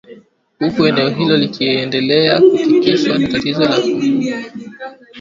Huku eneo hilo likiendelea kutikiswa na tatizo la uviko kumi na tisa katika kufufua uchumi wa taifa